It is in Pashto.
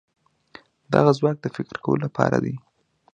دغه ځواک د فکر کولو لپاره دی.